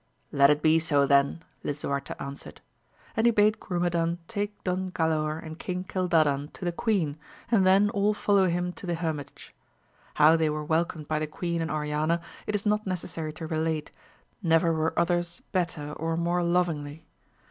Let it be so then ? Lisuarte answered. And he bade Grumedan take Don Galaor and King Cildadan to the queen, and then all follow him to the hermitage. How they were welcomed by the queen and Oriana it is not necessary to relate, never were others better or more lovingly.